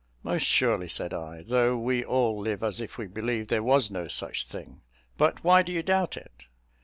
"Most surely," said I; "though we all live as if we believed there was no such thing. But why do you doubt it?"